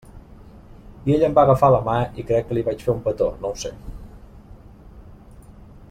I ell em va agafar la mà i crec que li vaig fer un petó, no ho sé.